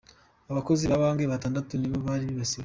Abakozi ba banki batandatu nabo baribasiwe.